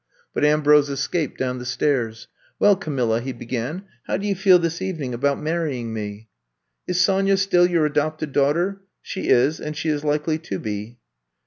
But Ambrose escaped down the stairs. Well, Camilla," he began, how do you feel this evening about marrying me?" Is Sonya still your adopted daughter!" She is and she is likely to be."